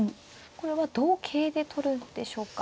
これは同桂で取るんでしょうか。